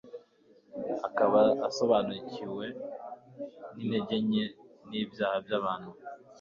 akaba asobanukiwe n’intege nke n’ibyaha by’abantu;